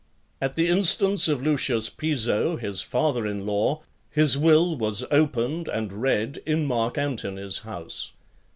LXXXIII. At the instance of Lucius Piso, his father in law, his will was opened and read in Mark Antony's house.